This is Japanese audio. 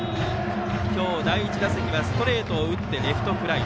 今日第１打席はストレートを打ってレフトフライ。